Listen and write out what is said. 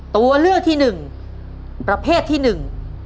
ตัวเลือกที่หนึ่งประเภทที่หนึ่ง